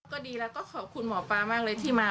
ก็ดีแล้วก็ขอบคุณหมอปลามากเลยที่มา